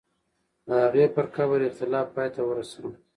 د هغې پر قبر اختلاف پای ته ورسوه.